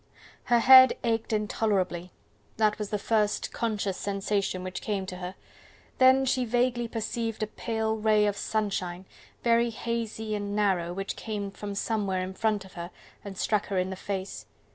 Her head ached intolerably: that was the first conscious sensation which came to her; then she vaguely perceived a pale ray of sunshine, very hazy and narrow, which came from somewhere in front of her and struck her in the face.